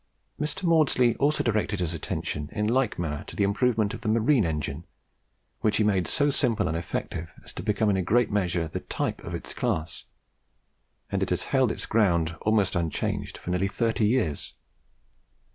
Mr. Maudslay also directed his attention in like manner to the improvement of the marine engine, which he made so simple and effective as to become in a great measure the type of its class; and it has held its ground almost unchanged for nearly thirty years.